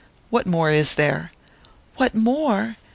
"What more is there?" "What more?